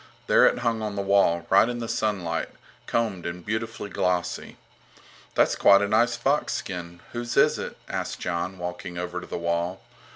There it hung on the wall, right in the sunlight, combed and beautifully glossy. That's quite a nice fox skin. Whose is it? asked Jon, walking over to the wall.